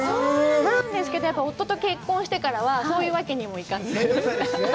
なんですけど、夫と結婚してからはそういうわけにもいかず。